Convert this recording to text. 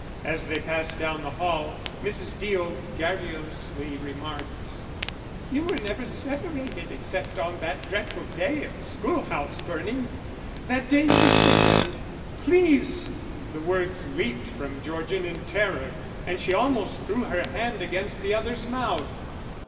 As they passed down the hall, Mrs. Deo garrulously remarked: "You were never separated except on that dreadful day of the schoolhouse burning. That day you were sick and " "Please!" The word leaped from Georgian in terror, and she almost threw her hand against the other's mouth.